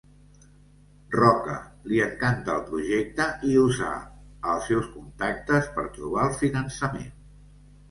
Roca li encantà el projecte i usà els seus contactes per trobar el finançament.